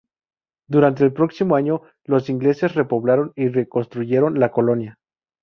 Durante el próximo año, los ingleses repoblaron y reconstruyeron la colonia.